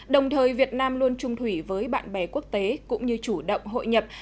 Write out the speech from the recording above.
đồng thời việt nam luôn trung thủy với bạn bè quốc tế cũng như chủ động hội nhập